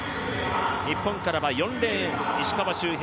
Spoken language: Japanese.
日本からは４レーン石川周平。